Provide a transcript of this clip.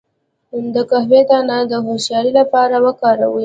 د قهوې دانه د هوښیارۍ لپاره وکاروئ